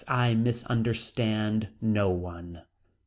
I misunderstand no one.